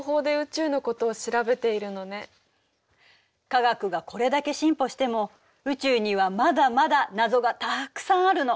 科学がこれだけ進歩しても宇宙にはまだまだ謎がたくさんあるの。